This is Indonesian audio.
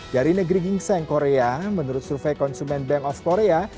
dari negeri gingseng korea menurut survei konsumen bank of korea